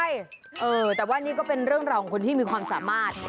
ใช่เออแต่ว่านี่ก็เป็นเรื่องราวของคนที่มีความสามารถ